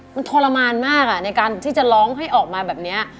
มันทรมานมากในการที่จะร้องให้ออกมาแบบนี้